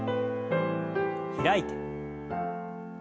開いて。